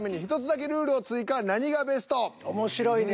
面白いね。